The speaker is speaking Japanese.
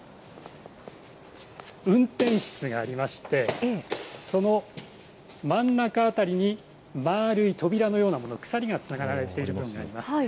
運転室がありまして、その真ん中辺りに、丸い扉のようなもの、鎖がつなげられている所があります。